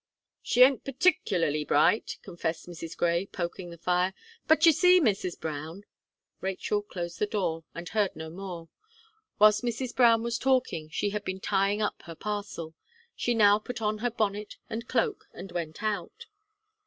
"She ain't particlerly bright," confessed Mrs. Gray, poking the fire, "but you see, Mrs. Brown " Rachel closed the door, and heard no more. Whilst Mrs. Brown was talking, she had been tying up her parcel. She now put on her bonnet and cloak, and went out.